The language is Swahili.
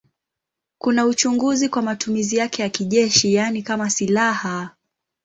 Kuna uchunguzi kwa matumizi yake ya kijeshi, yaani kama silaha.